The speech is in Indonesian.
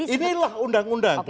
inilah undang undang punya